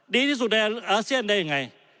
ดีที่สุดในอาเซียนได้ยังไง